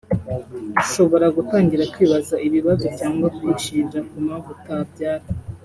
Ushobora gutangira kwibaza ibibazo cyangwa kwishinja ku mpamvu utabyara